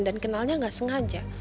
dan kenalnya gak sengaja